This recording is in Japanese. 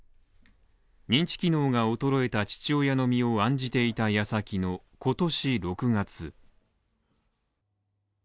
認知機能が衰えた父親の身を案じていた矢先の今年６月。